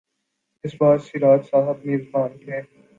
اس بار سراج صاحب میزبان تھے۔